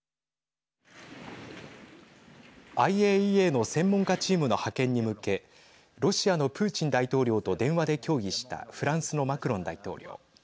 ＩＡＥＡの専門家チームの派遣に向けロシアのプーチン大統領と電話で協議したフランスのマクロン大統領。